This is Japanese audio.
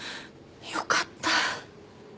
よかった。